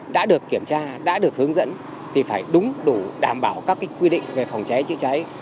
đã được kiểm tra đã được hướng dẫn thì phải đúng đủ đảm bảo các quy định về phòng cháy chữa cháy